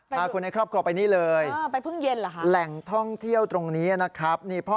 พาคนในครอบครัวไปนี่เลยแหล่งท่องเที่ยวตรงนี้นะครับไปพึ่งเย็นหรือ